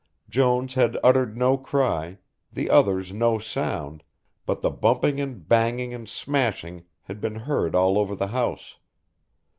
Jones had uttered no cry, the others no sound, but the bumping and banging and smashing had been heard all over the house.